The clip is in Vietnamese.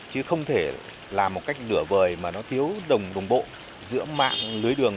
chứ không thể làm một cách nửa vời mà nó thiếu đồng bộ giữa mạng lưới đường